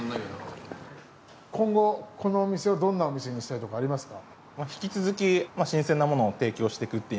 今後このお店をどんなお店にしたいとかありますか？